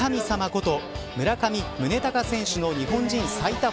こと村上宗隆選手の日本人最多